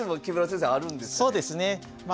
そうですね。